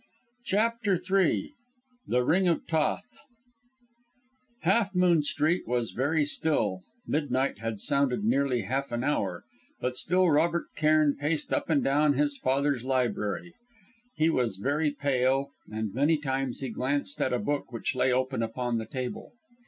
CHAPTER III THE RING OF THOTH Half Moon Street was very still; midnight had sounded nearly half an hour; but still Robert Cairn paced up and down his father's library. He was very pale, and many times he glanced at a book which lay open upon the table.